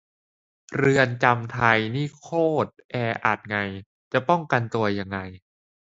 เรือนจำไทยนี่ก็โคตรแออัดไง จะป้องกันตัวยังไง